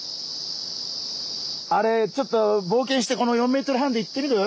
あれちょっとぼう険してこの４ｍ半でいってみる？